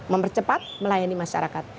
mempercepat melayani masyarakat